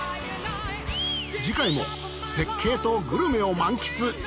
次回も絶景とグルメを満喫！